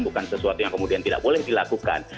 bukan sesuatu yang kemudian tidak boleh dilakukan